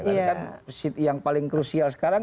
tapi kan yang paling krusial sekarang